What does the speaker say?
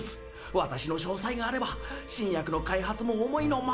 私の商才があれば新薬の開発も思いのままだ！